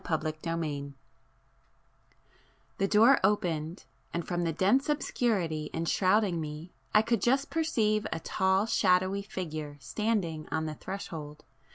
[p 18]III The door opened,—and from the dense obscurity enshrouding me I could just perceive a tall shadowy figure standing on the threshold.